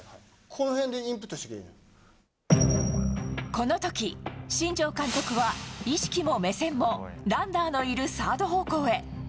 この時、新庄監督は意識も目線もランナーのいるサード方向へ。